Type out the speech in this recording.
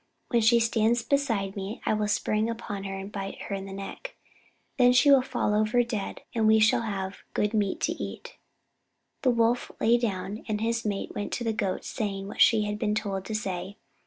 When she stands beside me I will spring upon her and bite her in the neck. Then she will fall over dead, and we shall have good meat to eat." The Wolf then lay down, and his mate went to the Goat, saying what she had been told to say.